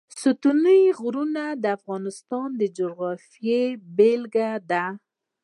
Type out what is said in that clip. ستوني غرونه د افغانستان د جغرافیې بېلګه ده.